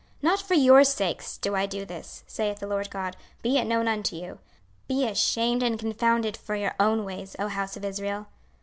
26:036:032 Not for your sakes do I this, saith the Lord GOD, be it known unto you: be ashamed and confounded for your own ways, O house of Israel.